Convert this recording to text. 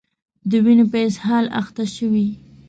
د وینو په اسهال اخته شوي